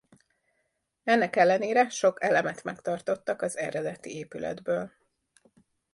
Ennek ellenére sok elemet megtartottak az eredeti épületből.